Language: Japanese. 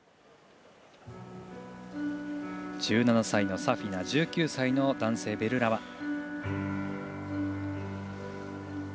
１７歳のサフィナ１９歳の男性、ベルラワ。